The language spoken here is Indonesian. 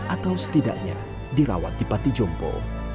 atau setidaknya dirawat di patijompo